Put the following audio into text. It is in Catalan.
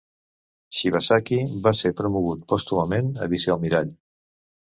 Shibazaki va ser promogut pòstumament a vicealmirall.